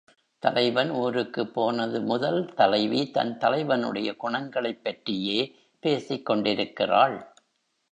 தலைவன் ஊருக்குப் போனது முதல் தலைவி தன் தலைவனுடைய குணங்களைப் பற்றியே பேசிக் கொண்டிருக்கிறாள்.